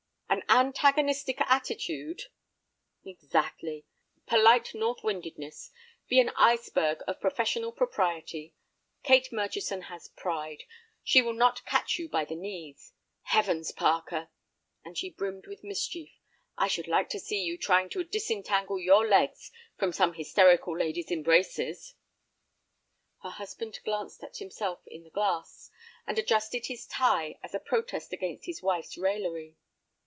"An antagonistic attitude—" "Exactly. Polite north windedness. Be an iceberg of professional propriety. Kate Murchison has pride; she will not catch you by the knees. Heavens, Parker"—and she brimmed with mischief—"I should like to see you trying to disentangle your legs from some hysterical lady's embraces!" Her husband glanced at himself in the glass, and adjusted his tie as a protest against his wife's raillery.